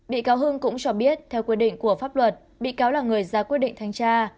bị cáo hưng cũng cho biết theo quy định của pháp luật bị cáo là người ra quyết định thanh tra